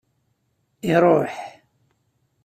Iṛuḥ.